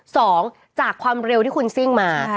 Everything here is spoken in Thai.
สองจากความเร็วที่คุณซิ่งมา